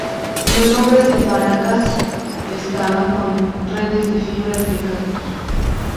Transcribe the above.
Los hombres de Paracas pescaban con redes de fibras de cactus.